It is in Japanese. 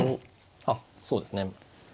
あっそうですね。